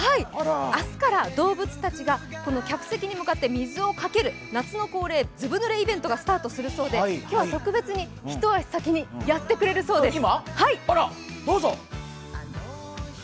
明日から動物たちが客席に向かって水をかける夏の恒例、ずぶ濡れイベントがスタートするそうで一足先にやってくれるそうです。